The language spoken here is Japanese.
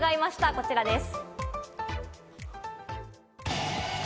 こちらです。